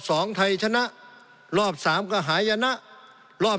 สงบจนจะตายหมดแล้วครับ